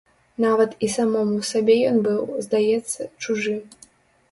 Нават і самому сабе ён быў, здаецца, чужы.